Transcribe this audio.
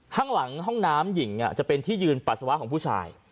ข้างหลังห้องน้ำหญิงจะเป็นที่ยืนปัสสาวะของผู้ชาย